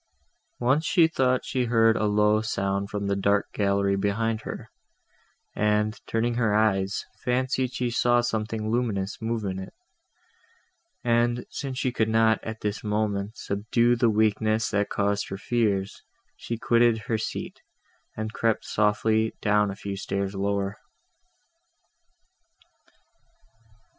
Once she thought she heard a low sound from the dark gallery behind her; and, turning her eyes, fancied she saw something luminous move in it; and, since she could not, at this moment, subdue the weakness that caused her fears, she quitted her seat, and crept softly down a few stairs lower.